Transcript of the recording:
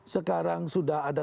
sekarang sudah ada